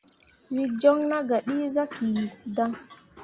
Wǝ joŋ nah gah dǝ zaki dan.